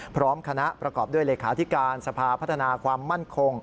พร้อมคณะประกอบด้วยเลขาธิการสภาพัฒนาความมั่นคง